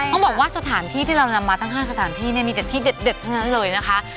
ต้องบอกว่าสถานที่ที่เรานำมาทั้ง๕สถานที่เนี่ยมีเด็ดที่เด็ดทั้งนั้นเลยนะคะ